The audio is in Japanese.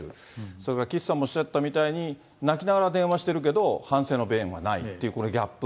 それから岸さんもおっしゃったみたいに、泣きながら電話してるけど、反省の弁はないというこのギャップ。